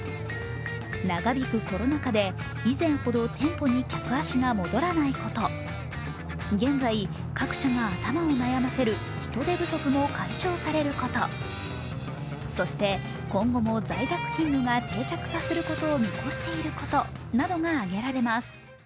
長引くコロナ禍で以前ほど店舗に客足が戻らないこと、現在、各社が頭を悩ませる人手不足も解消されること、そして、今後も在宅勤務が定着化することを見越していることなどが挙げられます。